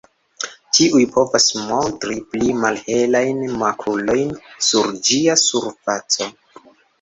Tiuj povas montri pli malhelajn makulojn sur ĝia surfaco.